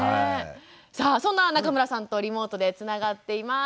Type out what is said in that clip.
さあそんな中村さんとリモートでつながっています。